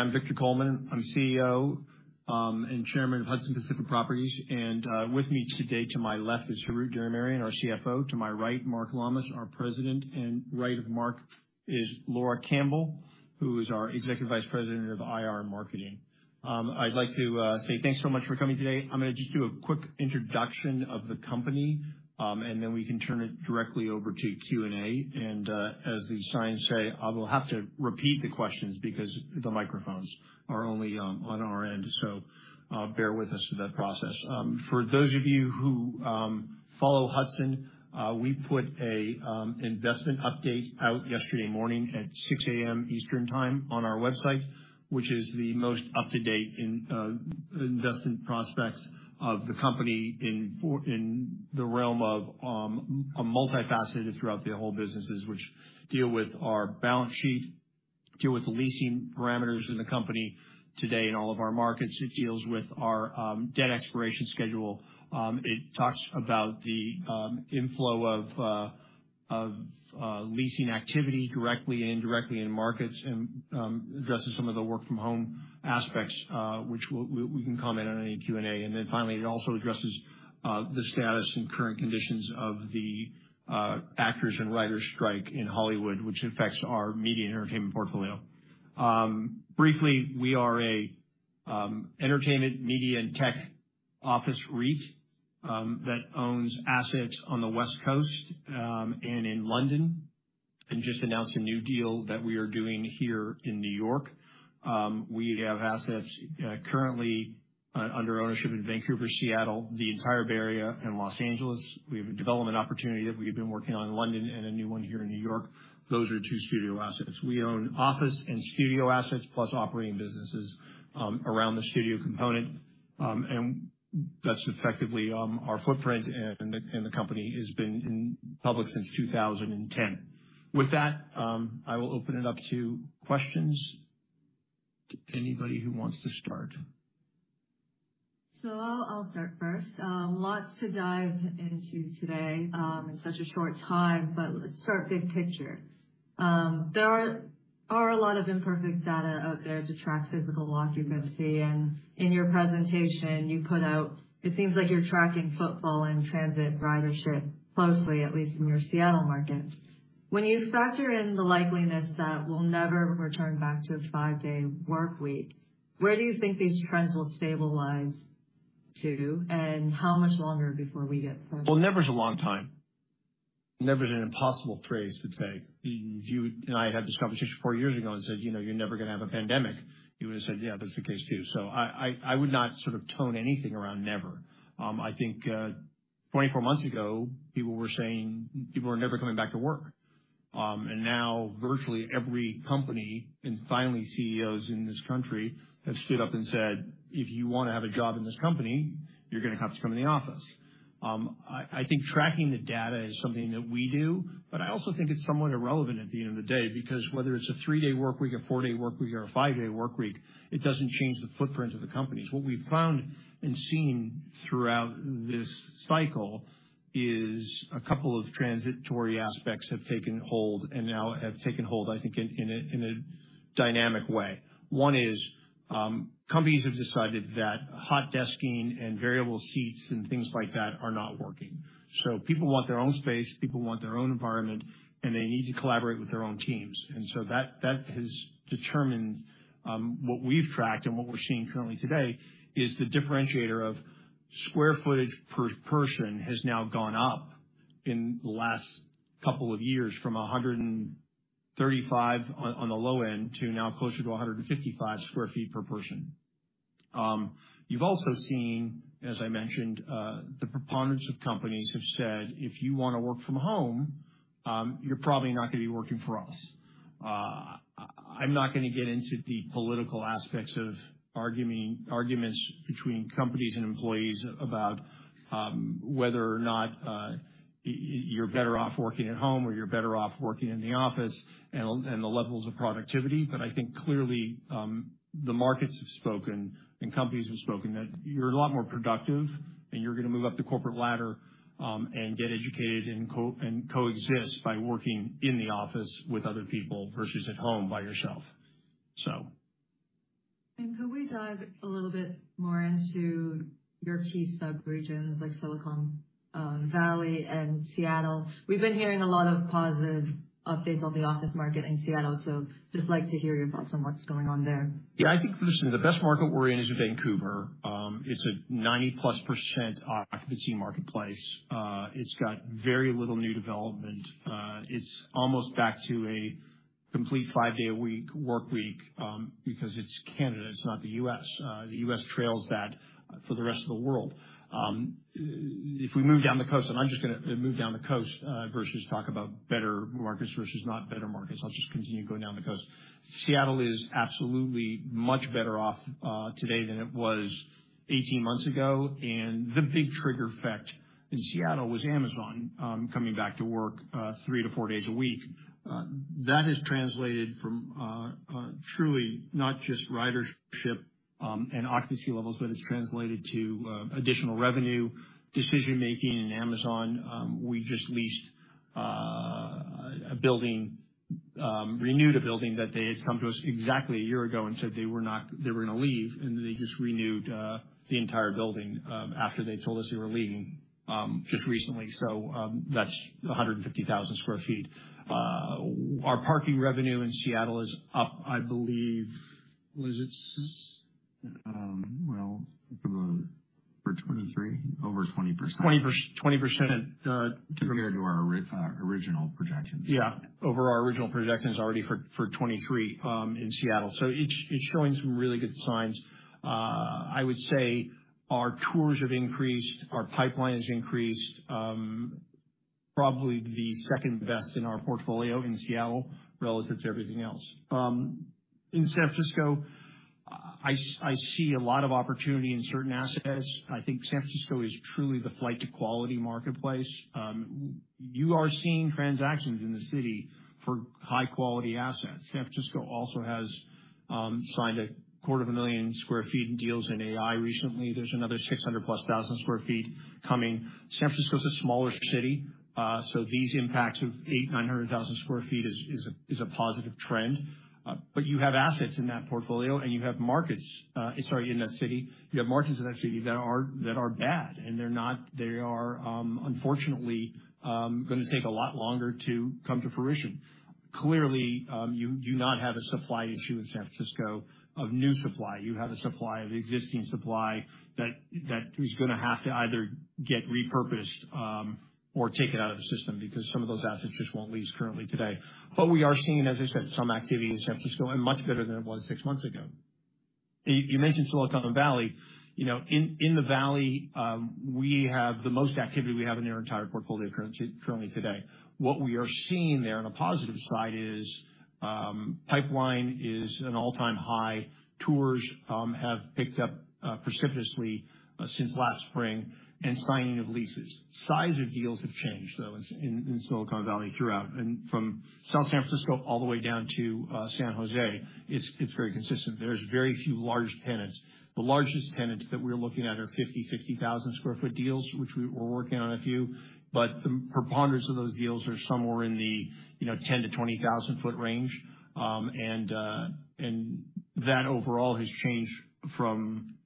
I'm Victor Coleman. I'm CEO and Chairman of Hudson Pacific Properties, and with me today to my left is Harout Diramerian, our CFO, to my right, Mark Lammas, our President, and right of Mark is Laura Campbell, who is our Executive Vice President of IR and Marketing. I'd like to say thanks so much for coming today. I'm gonna just do a quick introduction of the company, and then we can turn it directly over to Q&A. As the signs say, I will have to repeat the questions because the microphones are only on our end, so bear with us through that process. For those of you who follow Hudson, we put a investment update out yesterday morning at 6:00 A.M. Eastern Time on our website, which is the most up-to-date in investment prospects of the company in the realm of a multifaceted throughout the whole businesses, which deal with our balance sheet, deal with the leasing parameters in the company today in all of our markets. It deals with our debt expiration schedule. It talks about the inflow of leasing activity, directly and indirectly in markets, and addresses some of the work from home aspects, which we can comment on in Q&A. And then finally, it also addresses the status and current conditions of the actors and writers strike in Hollywood, which affects our media and entertainment portfolio. Briefly, we are a entertainment, media, and tech office REIT that owns assets on the West Coast and in London, and just announced a new deal that we are doing here in New York. We have assets currently under ownership in Vancouver, Seattle, the entire Bay Area, and Los Angeles. We have a development opportunity that we've been working on in London and a new one here in New York. Those are two studio assets. We own office and studio assets, plus operating businesses around the studio component. And that's effectively our footprint, and the, and the company has been in public since 2010. With that, I will open it up to questions to anybody who wants to start. So I'll start first. Lots to dive into today, in such a short time, but let's start big picture. There are a lot of imperfect data out there to track physical occupancy, and in your presentation you put out, it seems like you're tracking football and transit ridership closely, at least in your Seattle market. When you factor in the likeliness that we'll never return back to a five-day workweek, where do you think these trends will stabilize to, and how much longer before we get there? Well, never is a long time. Never is an impossible phrase to say. If you and I had this conversation four years ago and said, "You know, you're never going to have a pandemic," you would've said, "Yeah, that's the case, too." So I would not sort of tone anything around never. I think, 24 months ago, people were saying people were never coming back to work. And now virtually every company, and finally, CEOs in this country, have stood up and said, "If you want to have a job in this company, you're going to have to come in the office." I think tracking the data is something that we do, but I also think it's somewhat irrelevant at the end of the day, because whether it's a three-day workweek, a four-day workweek, or a five-day workweek, it doesn't change the footprint of the companies. What we've found and seen throughout this cycle is a couple of transitory aspects have taken hold, and now have taken hold, I think, in a dynamic way. One is, companies have decided that hot desking and variable seats and things like that are not working. So people want their own space, people want their own environment, and they need to collaborate with their own teams. And so that has determined what we've tracked and what we're seeing currently today is the differentiator of square footage per person has now gone up in the last couple of years from 135 on the low end to now closer to 155 sq ft per person. You've also seen, as I mentioned, the preponderance of companies have said, "If you want to work from home, you're probably not going to be working for us." I'm not going to get into the political aspects of arguing, arguments between companies and employees about whether or not you're better off working at home or you're better off working in the office and the levels of productivity. I think clearly, the markets have spoken and companies have spoken, that you're a lot more productive, and you're going to move up the corporate ladder, and get educated and coexist by working in the office with other people versus at home by yourself. Could we dive a little bit more into your key subregions like Silicon Valley and Seattle? We've been hearing a lot of positive updates on the office market in Seattle, so just like to hear your thoughts on what's going on there. Yeah, I think, listen, the best market we're in is in Vancouver. It's a 90%+ occupancy marketplace. It's got very little new development. It's almost back to a complete five-day a week workweek, because it's Canada, it's not the U.S. The U.S. trails that for the rest of the world. If we move down the coast, and I'm just going to move down the coast, versus talk about better markets versus not better markets, I'll just continue going down the coast. Seattle is absolutely much better off, today than it was 18 months ago, and the big trigger effect in Seattle was Amazon, coming back to work, three to four days a week. That has translated from, truly not just ridership and occupancy levels, but it's translated to additional revenue decision making in Amazon. We just leased a building, renewed a building that they had come to us exactly a year ago and said they were going to leave, and they just renewed the entire building after they told us they were leaving just recently. So, that's 150,000 sq ft. Our parking revenue in Seattle is up, I believe, was it? Well, for 2023, over 20%. 20%, Compared to our original projections. Yeah, over our original projections already for 2023 in Seattle. So it's showing some really good signs. I would say our tours have increased, our pipeline has increased, probably the second best in our portfolio in Seattle relative to everything else. In San Francisco, I see a lot of opportunity in certain assets. I think San Francisco is truly the flight to quality marketplace. You are seeing transactions in the city for high-quality assets. San Francisco also has signed 250,000 sq ft in deals in AI recently. There's another 600,000+ sq ft coming. San Francisco is a smaller city, so these impacts of 800,000 sq ft and 900,000 sq ft is a positive trend. But you have assets in that portfolio, and you have markets in that city. You have markets in that city that are bad, and they are, unfortunately, going to take a lot longer to come to fruition. Clearly, you not have a supply issue in San Francisco of new supply. You have a supply of existing supply that is going to have to either get repurposed, or taken out of the system because some of those assets just won't lease currently today. But we are seeing, as I said, some activity in San Francisco and much better than it was six months ago. You mentioned Silicon Valley. You know, in the valley, we have the most activity we have in our entire portfolio currently today. What we are seeing there on a positive side is, pipeline is an all-time high. Tours have picked up precipitously since last spring, and signing of leases. Size of deals have changed, though, in Silicon Valley throughout. And from South San Francisco, all the way down to San Jose, it's very consistent. There's very few large tenants. The largest tenants that we're looking at are 50,000 sq ft to 60,000 sq ft deals, which we're working on a few, but the preponderance of those deals are somewhere in the, you know, 10,000 sq ft to 20,000 sq ft range. And that overall has changed from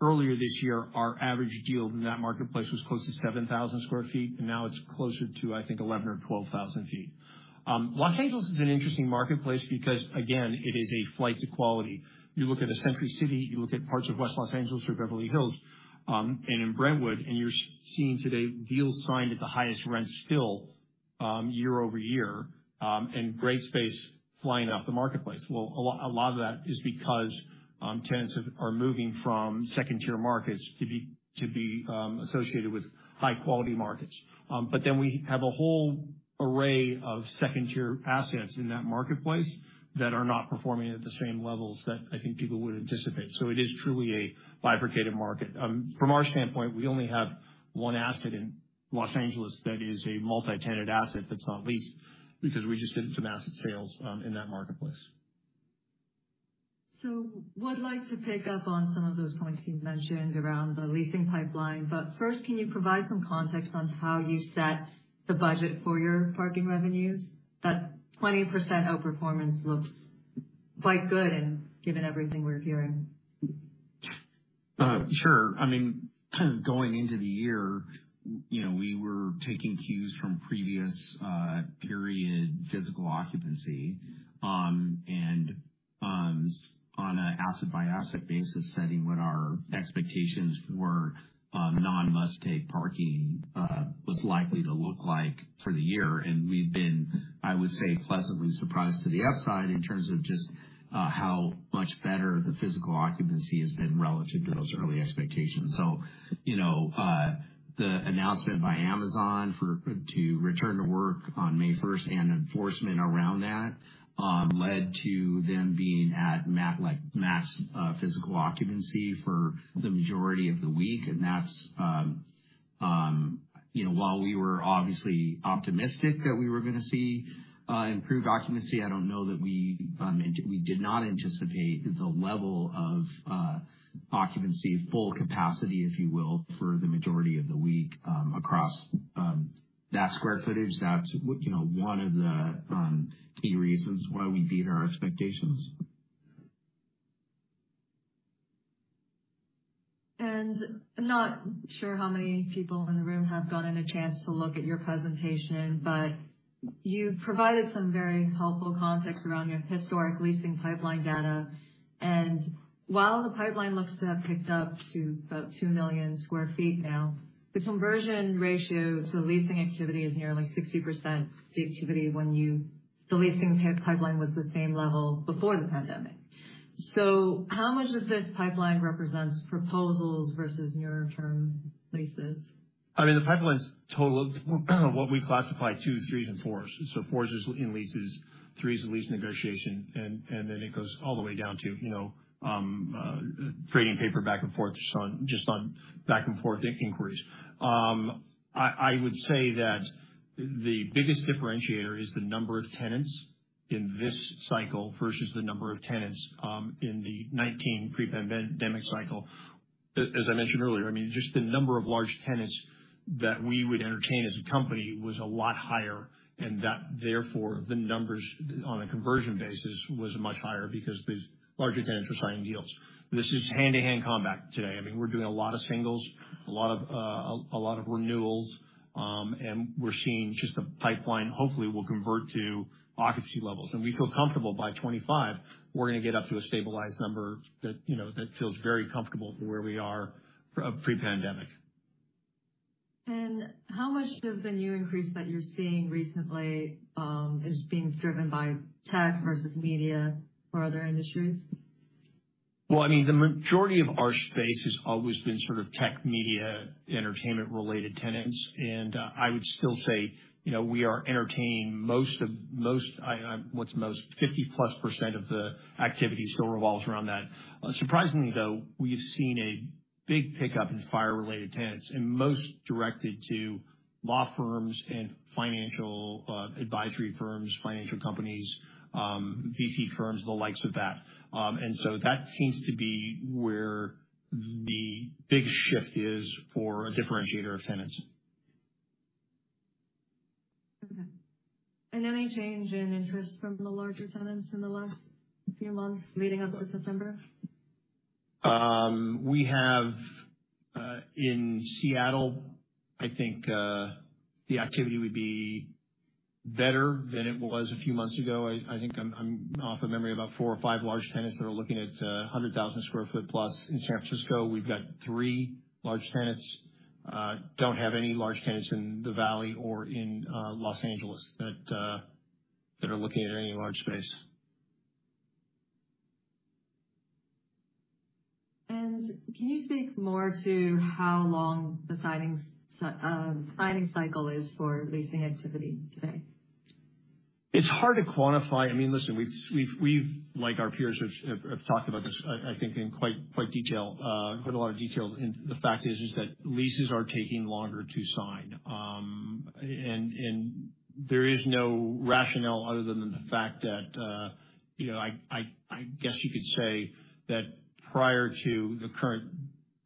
earlier this year. Our average deal in that marketplace was close to 7,000 sq ft, and now it's closer to, I think, 11,000 sq ft or 12,000 sq ft. Los Angeles is an interesting marketplace because, again, it is a flight to quality. You look at Century City, you look at parts of West Los Angeles or Beverly Hills, and in Brentwood, and you're seeing today deals signed at the highest rents still, year over year, and great space flying off the marketplace. Well, a lot, a lot of that is because, tenants are moving from second-tier markets to be associated with high-quality markets. But then we have a whole array of second-tier assets in that marketplace that are not performing at the same levels that I think people would anticipate. So it is truly a bifurcated market. From our standpoint, we only have one asset in Los Angeles that is a multi-tenant asset that's not leased because we just did some asset sales, in that marketplace. So would like to pick up on some of those points you mentioned around the leasing pipeline. But first, can you provide some context on how you set the budget for your parking revenues? That 20% outperformance looks quite good and given everything we're hearing. Sure. I mean, kind of going into the year, you know, we were taking cues from previous period physical occupancy, and on an asset-by-asset basis, setting what our expectations for non-must-take parking was likely to look like for the year. And we've been, I would say, pleasantly surprised to the upside in terms of just how much better the physical occupancy has been relative to those early expectations. So, you know, the announcement by Amazon for to return to work on May first and enforcement around that led to them being at max physical occupancy for the majority of the week. And that's, you know, while we were obviously optimistic that we were going to see improved occupancy, I don't know that we did not anticipate the level of occupancy, full capacity, if you will, for the majority of the week, across that square footage. That's, you know, one of the key reasons why we beat our expectations. I'm not sure how many people in the room have gotten a chance to look at your presentation, but you provided some very helpful context around your historic leasing pipeline data. While the pipeline looks to have picked up to about 2 million sq ft now, the conversion ratio to leasing activity is nearly 60% the activity when the leasing pipeline was the same level before the pandemic. How much of this pipeline represents proposals versus near-term leases? I mean, the pipeline's total, what we classify two, threes and fours. So fours is in leases, threes is lease negotiation, and then it goes all the way down to, you know, trading paper back and forth just on back and forth inquiries. I would say that the biggest differentiator is the number of tenants in this cycle versus the number of tenants in the 2019 pre-pandemic cycle, as I mentioned earlier. I mean, just the number of large tenants that we would entertain as a company was a lot higher, and that, therefore, the numbers on a conversion basis was much higher because these larger tenants were signing deals. This is hand-to-hand combat today. I mean, we're doing a lot of singles, a lot of renewals, and we're seeing just the pipeline, hopefully, will convert to occupancy levels. We feel comfortable by 2025, we're going to get up to a stabilized number that, you know, that feels very comfortable to where we are pre-pandemic. How much of the new increase that you're seeing recently is being driven by tech versus media or other industries? Well, I mean, the majority of our space has always been sort of tech, media, entertainment-related tenants, and I would still say, you know, we are entertaining most of what's most, 50%+ of the activity still revolves around that. Surprisingly, though, we've seen a big pickup in Fire-related tenants, and most directed to law firms and financial, advisory firms, financial companies, VC firms, the likes of that. And so that seems to be where the big shift is for a differentiator of tenants. Okay. Any change in interest from the larger tenants in the last few months leading up to September? We have in Seattle, I think, the activity would be better than it was a few months ago. I think I'm off of memory, about four or five large tenants that are looking at 100,000 sq ft plus. In San Francisco, we've got three large tenants. Don't have any large tenants in the valley or in Los Angeles, that are looking at any large space. Can you speak more to how long the signing cycle is for leasing activity today? It's hard to quantify. I mean, listen, we've, like our peers, have talked about this, I think in quite a lot of detail. And the fact is that leases are taking longer to sign. And there is no rationale other than the fact that, you know, I guess you could say that prior to the current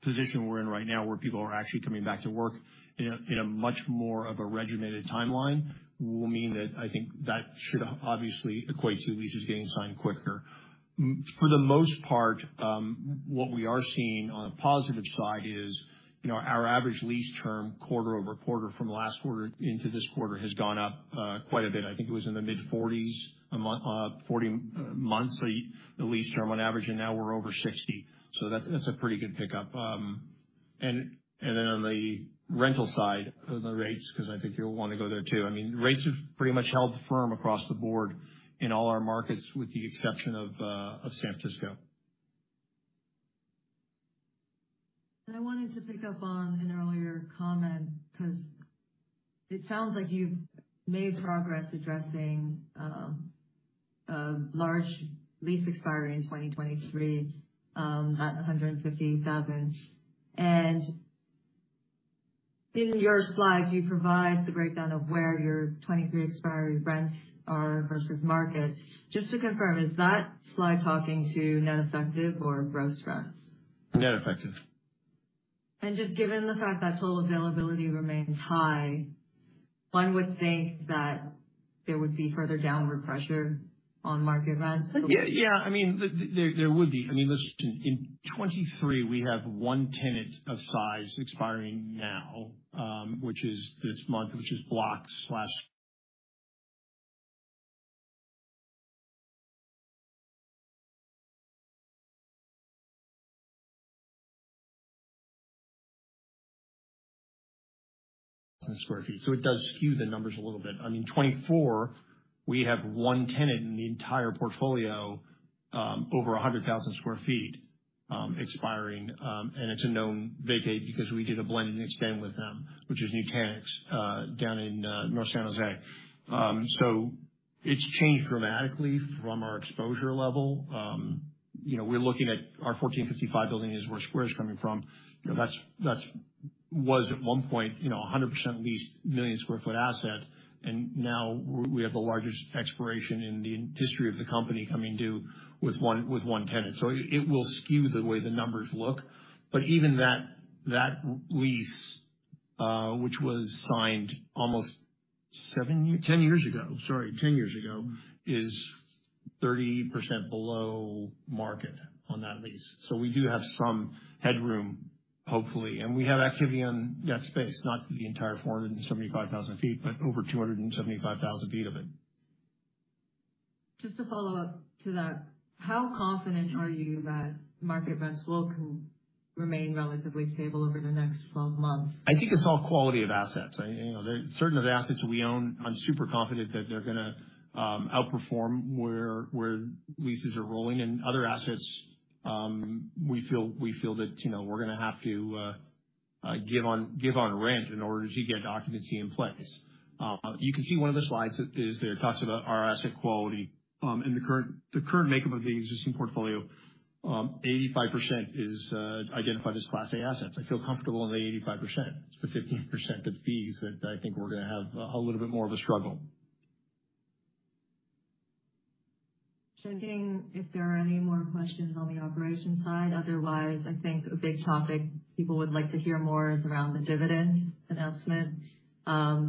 position we're in right now, where people are actually coming back to work in a much more of a regimented timeline, will mean that I think that should obviously equate to leases getting signed quicker. For the most part, what we are seeing on a positive side is, you know, our average lease term, quarter-over-quarter from last quarter into this quarter, has gone up, quite a bit. I think it was in the mid-40s, 40 months, the lease term on average, and now we're over 60. So that's, that's a pretty good pickup. And then on the rental side, the rates, because I think you'll want to go there, too. I mean, rates have pretty much held firm across the board in all our markets, with the exception of, of San Francisco. And I wanted to pick up on an earlier comment, because it sounds like you've made progress addressing a large lease expiring in 2023 at 150,000. And in your slides, you provide the breakdown of where your 2023 expiry rents are versus markets. Just to confirm, is that slide talking to net effective or gross rents? Net effective. Just given the fact that total availability remains high, one would think that there would be further downward pressure on market rents. Listen, in 2023, we have one tenant of size expiring now, which is this month, which is blocks/square feet. So it does skew the numbers a little bit. I mean, 2024, we have one tenant in the entire portfolio, over 100,000 sq ft, expiring. And it's a known vacate because we did a blend and extend with them, which is Nutanix, down in North San Jose. So it's changed dramatically from our exposure level. You know, we're looking at our 1455 building is where square is coming from. You know, that's, that's, was at one point, you know, 100% leased, a million square feet asset, and now we have the largest expiration in the history of the company coming due with one, with one tenant. So it will skew the way the numbers look. But even that, that lease, which was signed almost seven years, 10 years ago, sorry, 10 years ago, is 30% below market on that lease. So we do have some headroom, hopefully. And we have activity on that space, not the entire 475,000 sq ft, but over 275,000 sq ft of it. Just to follow up to that, how confident are you that market rents will remain relatively stable over the next 12 months? I think it's all quality of assets. You know, certain of the assets we own, I'm super confident that they're going to outperform where leases are rolling. And other assets, we feel that, you know, we're going to have to give on rent in order to get occupancy in place. You can see one of the slides that is there, talks about our asset quality. And the current makeup of the existing portfolio, 85% is identified as Class A assets. I feel comfortable in the 85%. It's the 15% that's B, that I think we're going to have a little bit more of a struggle. Checking if there are any more questions on the operation side. Otherwise, I think a big topic people would like to hear more is around the dividend announcement. I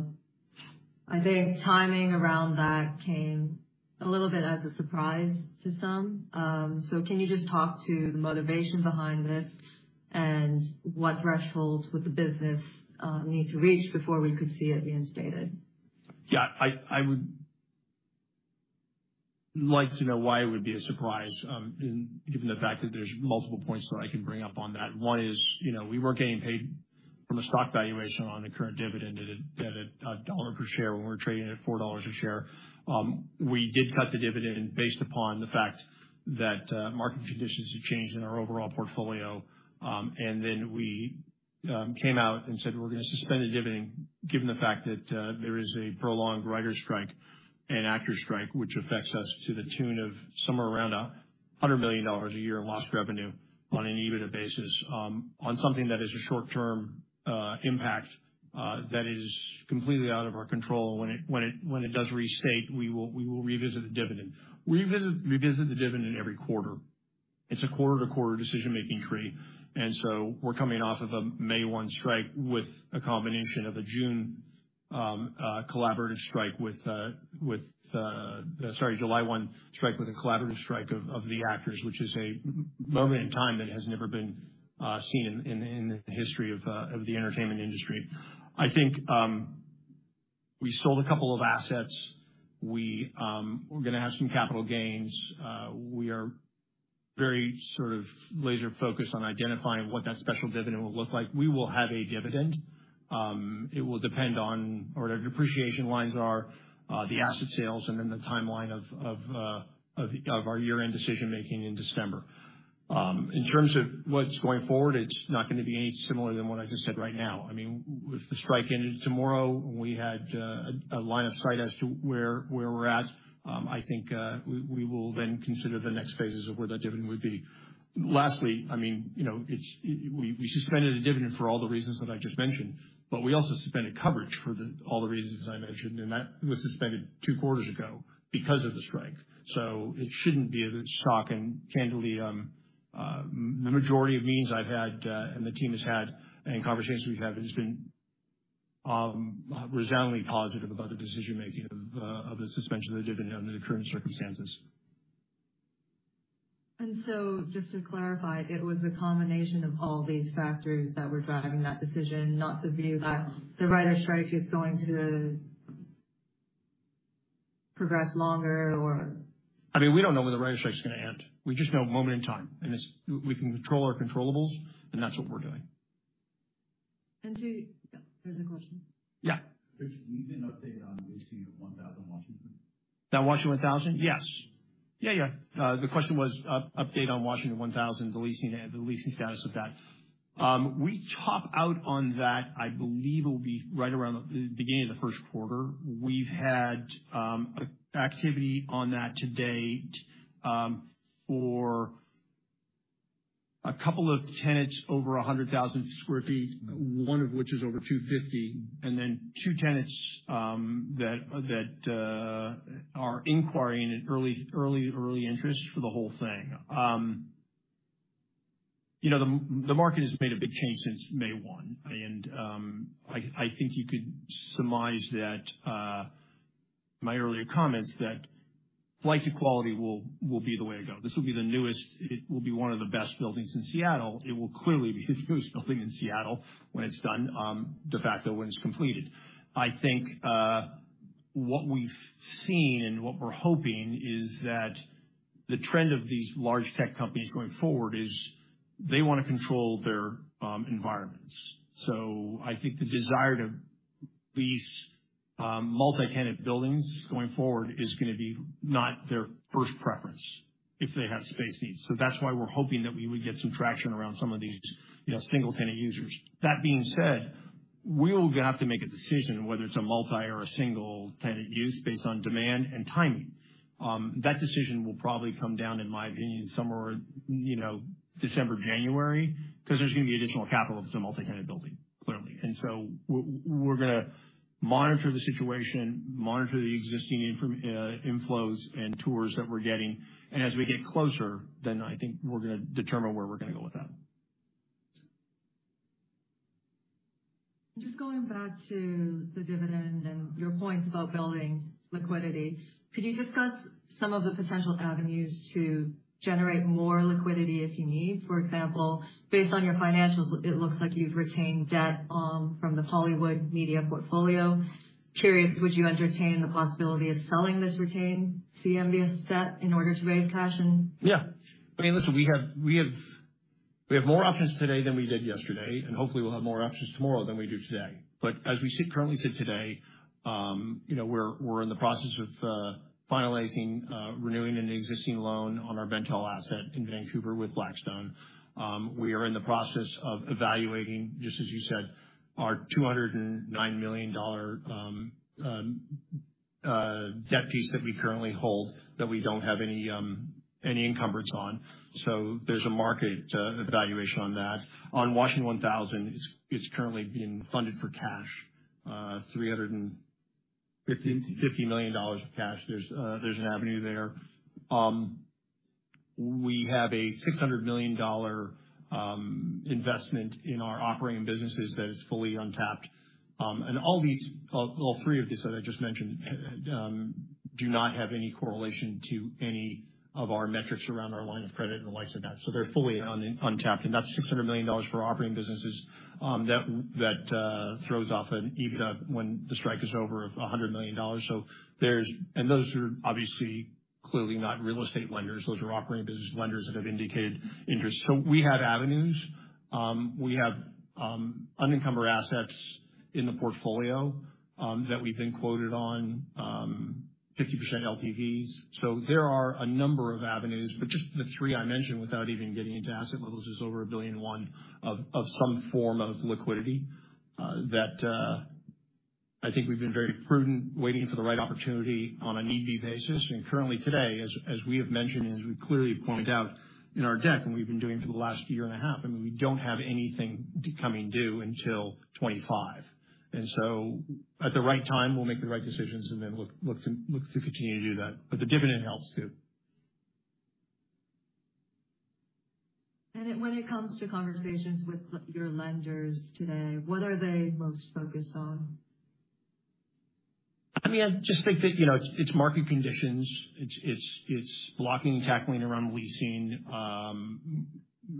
think timing around that came a little bit as a surprise to some. So can you just talk to the motivation behind this, and what thresholds would the business need to reach before we could see it reinstated? Yeah, I would like to know why it would be a surprise, in given the fact that there's multiple points that I can bring up on that. One is, you know, we weren't getting paid from a stock valuation on the current dividend at a dollar per share when we're trading at four dollars a share. We did cut the dividend based upon the fact that market conditions have changed in our overall portfolio. And then we came out and said, we're going to suspend the dividend given the fact that there is a prolonged writers' strike and actors' strike, which affects us to the tune of somewhere around $100 million a year in lost revenue on an EBITDA basis, on something that is a short-term impact that is completely out of our control. When it does restate, we will revisit the dividend. We revisit the dividend every quarter. It's a quarter-to-quarter decision-making tree, and so we're coming off of a May 1 strike with a combination of a June collaborative strike with July 1 strike, with a collaborative strike of the actors, which is a moment in time that has never been seen in the history of the entertainment industry. I think we sold a couple of assets. We're going to have some capital gains. We are very sort of laser focused on identifying what that special dividend will look like. We will have a dividend. It will depend on where the depreciation lines are, the asset sales, and then the timeline of our year-end decision-making in December. In terms of what's going forward, it's not going to be any similar than what I just said right now. I mean, with the strike ending tomorrow, we had a line of sight as to where we're at. I think we will then consider the next phases of where that dividend would be. Lastly, I mean, you know, it's we suspended the dividend for all the reasons that I just mentioned, but we also suspended coverage for all the reasons I mentioned, and that was suspended two quarters ago because of the strike. So it shouldn't be a shock, and candidly, the majority of meetings I've had, and the team has had, and conversations we've had, have just been, resoundingly positive about the decision making of, of the suspension of the dividend under the current circumstances. Just to clarify, it was a combination of all these factors that were driving that decision, not the view that the writers' strike is going to progress longer, or? I mean, we don't know when the writers' strike is going to end. We just know moment in time, and it's we can control our controllables, and that's what we're doing. Yeah, there's a question. Yeah. Can you give an update on leasing of Washington 1000? On Washington 1000? Yes. The question was, update on Washington 1000, the leasing and the leasing status of that. We top out on that, I believe, it will be right around the beginning of the Q1. We've had activity on that to date for a couple of tenants over 100,000 sq ft, one of which is over 250, and then two tenants that are inquiring in early interest for the whole thing. You know, the market has made a big change since May 1, and I think you could surmise that my earlier comments, that flight to quality will be the way to go. This will be the newest. It will be one of the best buildings in Seattle. It will clearly be the newest building in Seattle when it's done, de facto, when it's completed. I think, what we've seen and what we're hoping is that the trend of these large tech companies going forward is they want to control their environments. So I think the desire to lease multi-tenant buildings going forward is going to be not their first preference if they have space needs. So that's why we're hoping that we would get some traction around some of these, you know, single-tenant users. That being said, we're going to have to make a decision whether it's a multi or a single-tenant use based on demand and timing. That decision will probably come down, in my opinion, somewhere, you know, December, January, because there's going to be additional capital if it's a multi-tenant building, clearly. And so we're going to monitor the situation, monitor the existing inflows and tours that we're getting, and as we get closer, then I think we're going to determine where we're going to go with that. Just going back to the dividend and your points about building liquidity, could you discuss some of the potential avenues to generate more liquidity if you need? For example, based on your financials, it looks like you've retained debt from the Hollywood Media portfolio. Curious, would you entertain the possibility of selling this retained CMBS debt in order to raise cash? Yeah. I mean, listen, we have more options today than we did yesterday, and hopefully, we'll have more options tomorrow than we do today. But as we currently sit today, you know, we're in the process of finalizing renewing an existing loan on our Bentall asset in Vancouver with Blackstone. We are in the process of evaluating, just as you said, our $209 million debt piece that we currently hold, that we don't have any encumbrance on. So there's a market evaluation on that. On Washington 1000, it's currently being funded for cash $350 million of cash. There's an avenue there. We have a $600 million investment in our operating businesses that is fully untapped. And all these, all three of these that I just mentioned, do not have any correlation to any of our metrics around our line of credit and the likes of that. So they're fully untapped, and that's $600 million for operating businesses, that throws off an EBITDA when the strike is over, $100 million. So there's, and those are obviously clearly not real estate lenders. Those are operating business lenders that have indicated interest. So we have avenues. We have unencumbered assets in the portfolio, that we've been quoted on, 50% LTVs. So there are a number of avenues, but just the three I mentioned, without even getting into asset levels, is over $1.1 billion of some form of liquidity that I think we've been very prudent, waiting for the right opportunity on a need-be basis. And currently today, as we have mentioned, as we clearly point out in our deck, and we've been doing for the last year and a half, I mean, we don't have anything coming due until 2025. And so at the right time, we'll make the right decisions and then look to continue to do that. But the dividend helps, too. When it comes to conversations with your lenders today, what are they most focused on? I mean, I just think that, you know, it's market conditions. It's blocking and tackling around leasing.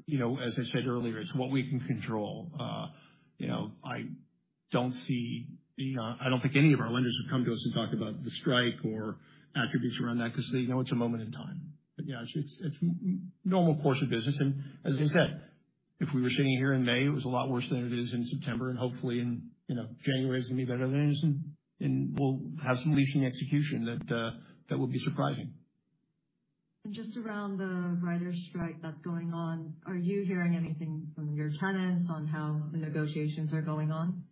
You know, as I said earlier, it's what we can control. You know, I don't see, you know, I don't think any of our lenders have come to us and talked about the strike or attributes around that because they know it's a moment in time. But, yeah, it's normal course of business, and as I said, if we were sitting here in May, it was a lot worse than it is in September, and hopefully in, you know, January is going to be better than it is, and we'll have some leasing execution that will be surprising. Just around the writers' strike that's going on, are you hearing anything from your tenants on how the negotiations are going on?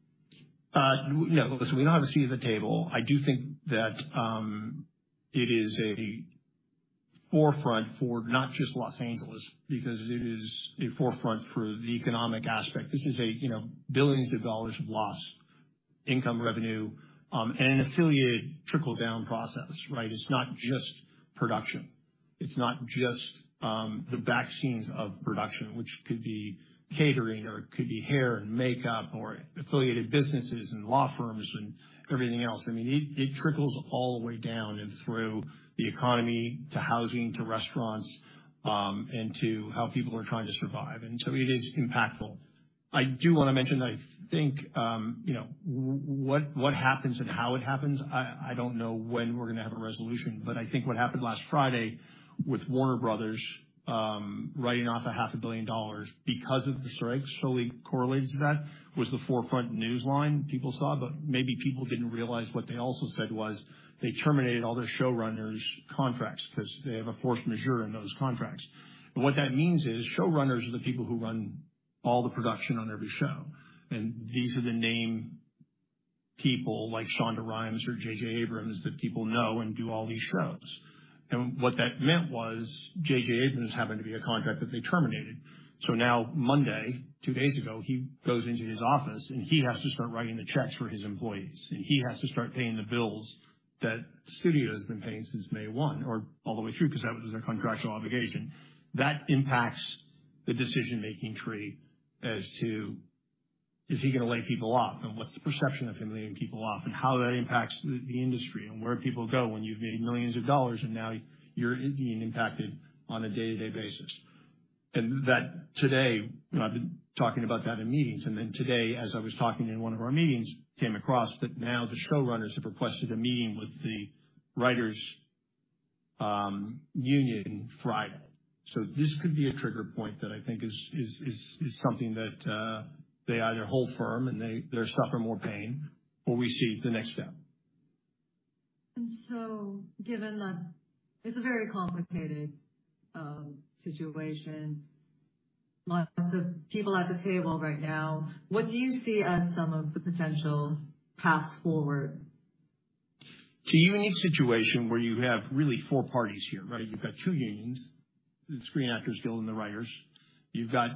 Yeah, listen, we don't have a seat at the table. I do think that it is a forefront for not just Los Angeles, because it is a forefront for the economic aspect. This is a, you know, billions of dollars loss, income revenue, and an affiliated trickle-down process, right? It's not just production. It's not just the back scenes of production, which could be catering, or it could be hair and makeup, or affiliated businesses and law firms and everything else. I mean, it trickles all the way down and through the economy to housing, to restaurants, and to how people are trying to survive. And so it is impactful. I do want to mention that I think, you know, what happens and how it happens, I don't know when we're going to have a resolution, but I think what happened last Friday with Warner Bros., writing off $500 million because of the strike, solely correlated to that, was the forefront news line people saw. But maybe people didn't realize what they also said was they terminated all their showrunners' contracts because they have a force majeure in those contracts. And what that means is, showrunners are the people who run all the production on every show, and these are the name people like Shonda Rhimes or J.J. Abrams, that people know and do all these shows. And what that meant was J.J. Abrams happened to be a contract that they terminated. So now, Monday, two days ago, he goes into his office, and he has to start writing the checks for his employees, and he has to start paying the bills that studio has been paying since May 1 or all the way through, because that was their contractual obligation. That impacts the decision-making tree as to, is he going to lay people off? And what's the perception of him laying people off, and how that impacts the industry and where people go when you've made millions of dollars and now you're being impacted on a day-to-day basis. And that today, you know, I've been talking about that in meetings, and then today, as I was talking in one of our meetings, came across that now the showrunners have requested a meeting with the writers union Friday. So this could be a trigger point that I think is something that they either hold firm and they suffer more pain, or we see the next step. And so given that it's a very complicated situation, lots of people at the table right now, what do you see as some of the potential paths forward? It's a unique situation where you have really four parties here, right? You've got two unions, the Screen Actors Guild and the writers. You've got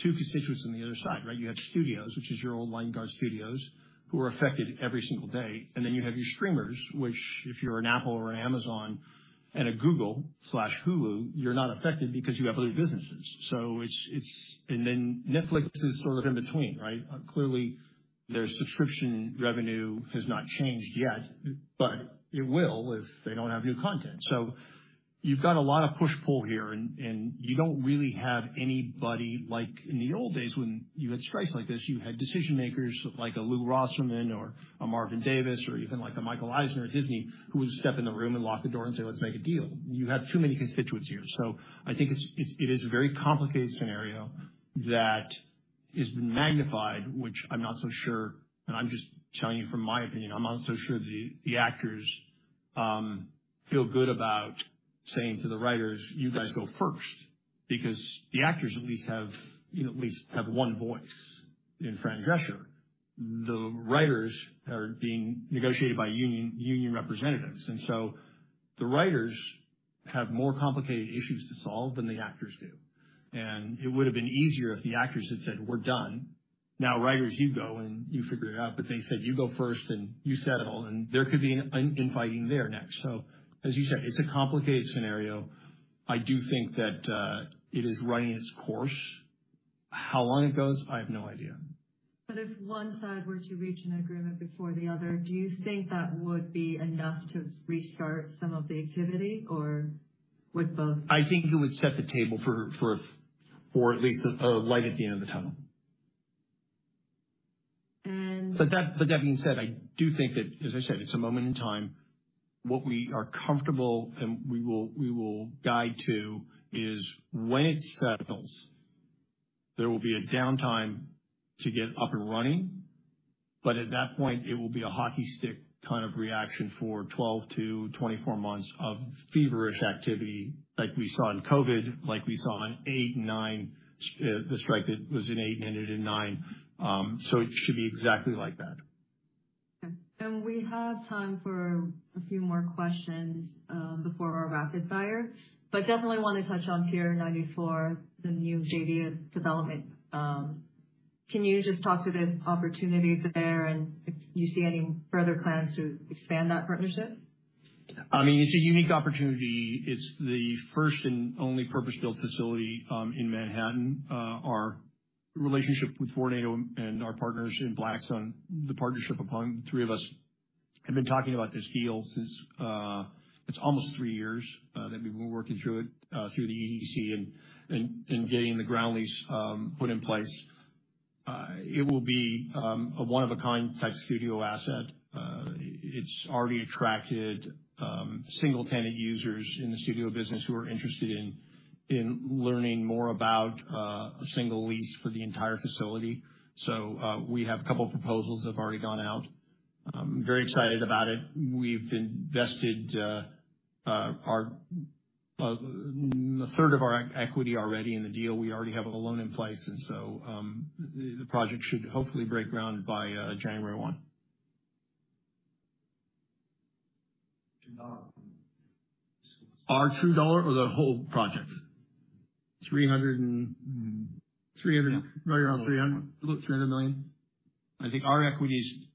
two constituents on the other side, right? You have studios, which is your old-line Hollywood studios, who are affected every single day. And then you have your streamers, which, if you're an Apple or an Amazon and a Google/Hulu, you're not affected because you have other businesses, and then Netflix is sort of in between, right? Clearly, their subscription revenue has not changed yet, but it will if they don't have new content. So you've got a lot of push-pull here, and you don't really have anybody like in the old days, when you had strikes like this, you had decision makers like a Lew Wasserman or a Marvin Davis, or even like a Michael Eisner at Disney, who would step in the room and lock the door and say, "Let's make a deal." You have too many constituents here. So I think it is a very complicated scenario that is magnified, which I'm not so sure, and I'm just telling you from my opinion, I'm not so sure the actors feel good about saying to the writers: You guys go first. Because the actors at least have, you know, at least have one voice in Fran Drescher the writers are being negotiated by union representatives. So the writers have more complicated issues to solve than the actors do. And it would have been easier if the actors had said, "We're done. Now, writers, you go, and you figure it out." But they said, "You go first, and you settle," and there could be an infighting there next. So as you said, it's a complicated scenario. I do think that, it is running its course. How long it goes, I have no idea. But if one side were to reach an agreement before the other, do you think that would be enough to restart some of the activity, or would both? I think it would set the table for at least a light at the end of the tunnel. But that being said, I do think that, as I said, it's a moment in time. What we are comfortable, and we will guide to, is when it settles, there will be a downtime to get up and running, but at that point, it will be a hockey stick kind of reaction for 12 to 24 months of feverish activity like we saw in COVID, like we saw in 2008 and 2009, the strike that was in 2008 and ended in 2009. So it should be exactly like that. We have time for a few more questions before our rapid fire. Definitely want to touch on Pier 94, the new JDS development. Can you just talk to the opportunity there, and if you see any further plans to expand that partnership? I mean, it's a unique opportunity. It's the first and only purpose-built facility in Manhattan. Our relationship with Vornado and our partners in Blackstone, the partnership among the three of us have been talking about this deal since. It's almost three years that we've been working through it through the EDC and getting the ground lease put in place. It will be a one-of-a-kind type studio asset. It's already attracted single-tenant users in the studio business who are interested in learning more about a single lease for the entire facility. So, we have a couple of proposals that have already gone out. I'm very excited about it. We've invested a third of our equity already in the deal. We already have a loan in place, and so, the project should hopefully break ground by January 1. Our true dollar or the whole project? 300, right around 300. About $300 million. I think our equity is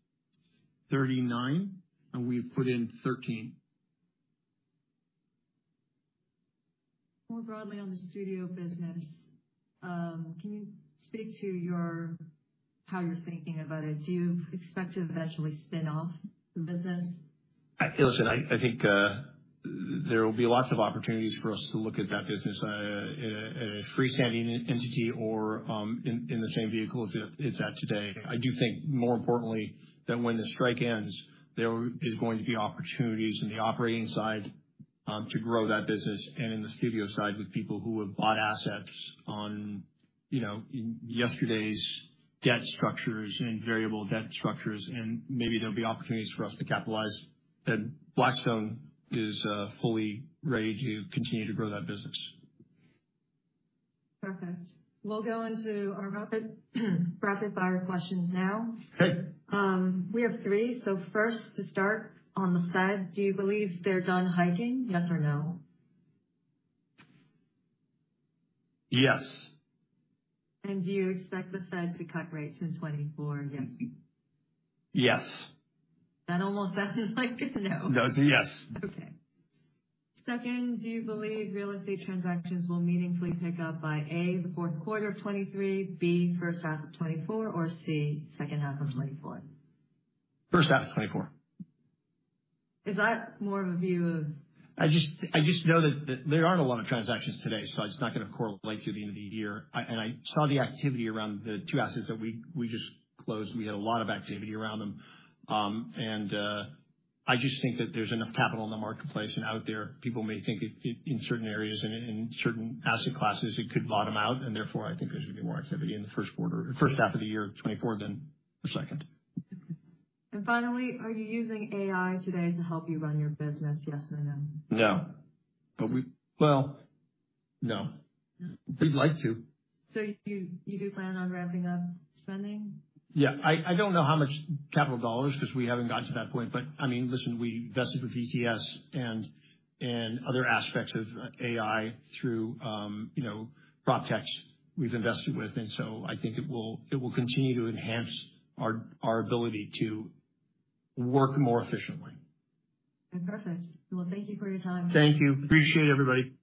39, and we've put in 13. More broadly, on the studio business, can you speak to your, how you're thinking about it? Do you expect to eventually spin off the business? Listen, I think there will be lots of opportunities for us to look at that business in a freestanding entity or in the same vehicle as it's at today. I do think, more importantly, that when the strike ends, there is going to be opportunities in the operating side to grow that business and in the studio side with people who have bought assets on, you know, in yesterday's debt structures and variable debt structures, and maybe there'll be opportunities for us to capitalize. Blackstone is fully ready to continue to grow that business. Perfect. We'll go into our rapid, rapid fire questions now. Okay. We have three. So first, to start on the Fed, do you believe they're done hiking, yes or no? Yes. Do you expect the Fed to cut rates in 2024, yes? Yes. That almost sounds like a no. No, it's a yes. Okay. Second, do you believe real estate transactions will meaningfully pick up by A, the Q4 of 2023, B, H1 of 2024, or C, H2 of 2024? H1 of 2024. Is that more of a view of- I just, I just know that there aren't a lot of transactions today, so it's not going to correlate to the end of the year. I saw the activity around the two assets that we, we just closed. We had a lot of activity around them. And I just think that there's enough capital in the marketplace and out there, people may think in, in certain areas and in certain asset classes, it could bottom out, and therefore, I think there should be more activity in the Q1, H1 of the year, 2024, than the second. Finally, are you using AI today to help you run your business, yes or no? No. But we, well, no. We'd like to. So you do plan on ramping up spending? Yeah. I don't know how much capital dollars, because we haven't gotten to that point. But I mean, listen, we invested with VTS and other aspects of AI through, you know, PropTech we've invested with, and so I think it will continue to enhance our ability to work more efficiently. Perfect. Well, thank you for your time. Thank you. Appreciate it, everybody.